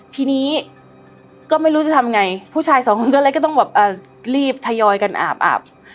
ทีนี้ก็ไม่รู้จะทำไงผู้ชายสองคนก็เลยก็ต้องแบบรีบทยอยกันอาบอาบ